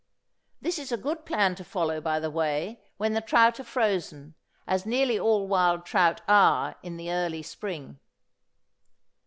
This is a good plan to follow, by the way, when the trout are frozen, as nearly all wild trout are in the early spring.